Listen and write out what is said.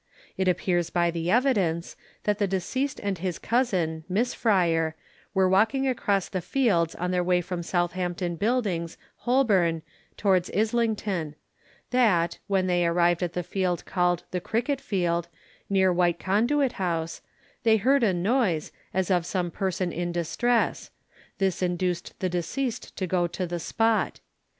It appears by the evidence, that the deceased and his cousin, Miss Fryer, were walking across the fields in their way from Southampton Buildings, Holborn, towards Islington: that, when they arrived at the field called the cricket field, near White Conduit house, they heard a noise, as of some person in distress; this induced the deceased to go to the spot.